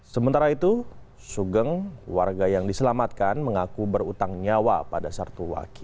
sementara itu sugeng warga yang diselamatkan mengaku berutang nyawa pada sertu waki